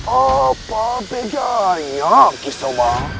apa bedanya kisoma